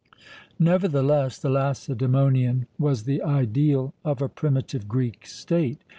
Nevertheless the Lacedaemonian was the ideal of a primitive Greek state.